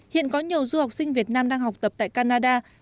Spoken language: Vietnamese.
hiện có nhiều du học sinh việt nam đang học tập tại canada